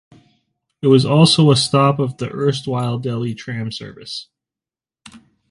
It was also a stop of the erstwhile Delhi Tram Service.